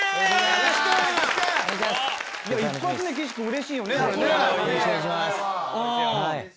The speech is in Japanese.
よろしくお願いします。